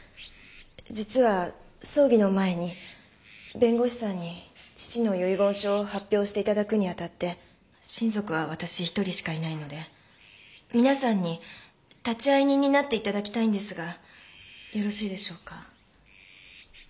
実は葬儀の前に弁護士さんに父の遺言書を発表していただくに当たって親族はわたし一人しかいないので皆さんに立会人になっていただきたいんですがよろしいでしょうか？